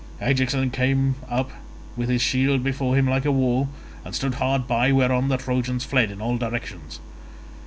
Ajax then came up with his shield before him like a wall, and stood hard by, whereon the Trojans fled in all directions.